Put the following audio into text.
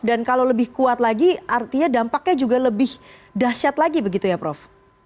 dan kalau lebih kuat lagi artinya dampaknya juga lebih dahsyat lagi begitu ya prof